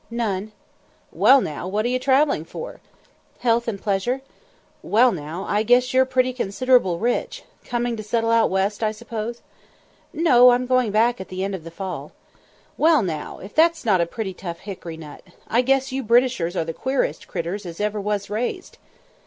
"None." "Well, now, what are you travelling for?" "Health and pleasure." "Well, now, I guess you're pretty considerable rich. Coming to settle out west, I suppose?" "No, I'm going back at the end of the fall." "Well, now, if that's not a pretty tough hickory nut! I guess you Britishers are the queerest critturs as ever was raised!"